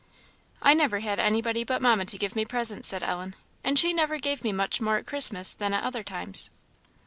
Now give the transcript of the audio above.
"I never had anybody but Mamma to give me presents," said Ellen, "and she never gave me much more at Christmas than at other times."